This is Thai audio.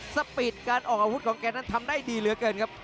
สปีดการออกอาวุธของแกนั้นทำได้ดีเหลือเกินครับ